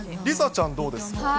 梨紗ちゃん、どうですか。